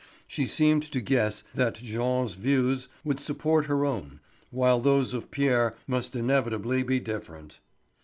She seemed to guess that Jean's views would support her own, while those of Pierre must inevitably be different.